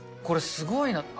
これ、すごいな。